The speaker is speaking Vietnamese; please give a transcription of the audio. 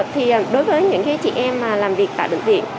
thì đối với những chị em mà làm việc tại bệnh viện